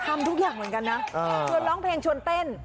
ทำทุกอย่างเหมือนกันนะชวนร้องเพลงชวนเต้น